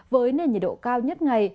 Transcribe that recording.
với nền nhiệt độ cao nhất ngày